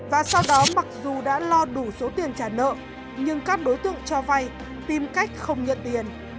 và sau đó mặc dù đã lo đủ số tiền trả nợ nhưng các đối tượng cho vay tìm cách không nhận tiền